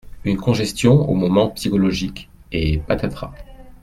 Une congestion au moment psychologique, et patatras.